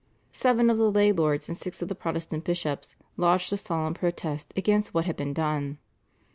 Seven of the lay lords, and six of the Protestant bishops lodged a solemn protest against what had been done.